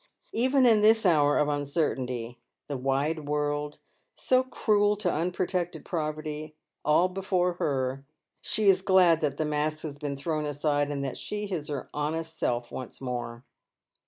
Even in this hour of uncertainty — the wide world, so cruel to unprotected poverty, all before her — she is glad that the mask has been thrown aside, and that she is her honest self once more.